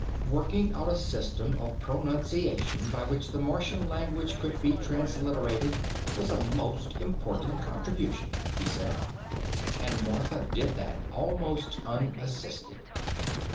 "Working out a system of pronunciation by which the Martian language could be transliterated was a most important contribution," he said. "And Martha did that almost unassisted."